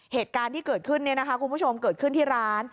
เหตุการณ์ที่เกิดขึ้นเนี่ยนะคะคุณผู้ชมเกิดขึ้นที่ร้าน